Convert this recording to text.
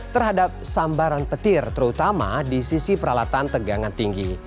terhadap sambaran petir terutama di sisi peralatan tegangan tinggi